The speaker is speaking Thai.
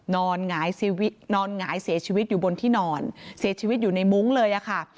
นอนหงายเสียชีวิตอยู่บนที่นอนเสียชีวิตอยู่ในมุ้งเลยอะค่ะ